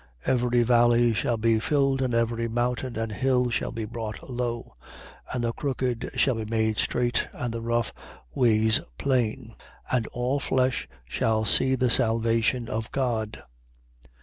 3:5. Every valley shall be filled and every mountain and hill shall be brought low: and the crooked shall be made straight, and the rough ways plain. 3:6. And all flesh shall see the salvation of God.